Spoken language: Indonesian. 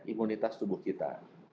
imunitas tubuh kita